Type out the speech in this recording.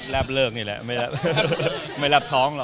รับเลิกนี่แหละไม่รับท้องหรอก